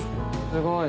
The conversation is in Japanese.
・すごい。